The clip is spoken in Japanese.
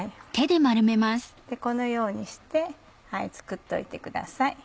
このようにして作っておいてください。